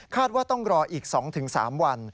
ว่าต้องรออีก๒๓วัน